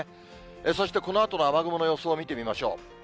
そしてこのあとの雨雲の予想を見てみましょう。